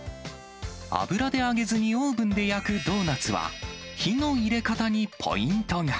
油で揚げずにオーブンで焼くドーナツは、火の入れ方にポイントが。